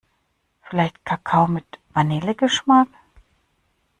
Vielleicht Kakao mit Vanillegeschmack?